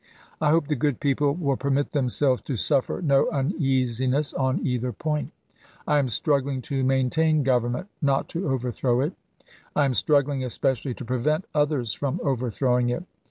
I hope the good people will permit themselves to suffer no uneasiness on either point. I am struggling to maintain government, not to over throw it. I am struggling especially to prevent others from overthrowing it.